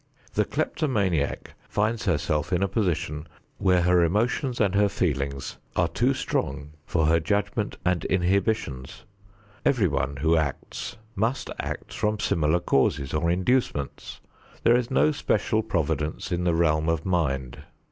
The kleptomaniac finds herself in a position where her emotions and her feelings are too strong for her judgment and inhibitions. Everyone who acts must act from similar causes or inducements. There is no special providence in the realm of mind.